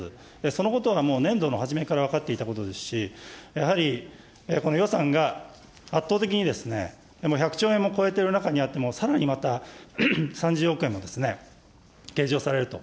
そのことはもう年度の初めから分かっていたことですし、やはりこの予算が圧倒的に、１００兆円も超えている中にあっても、さらにまた３０億円も計上されると。